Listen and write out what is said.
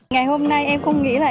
ngày hôm nay em không nghĩ là